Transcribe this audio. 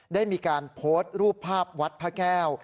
ได้มีการโพสต์รูปภาพวัดพระแก้ว